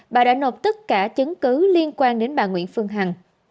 bà đã nộp tất cả chứng cứ liên quan đến bà nguyễn phương hằng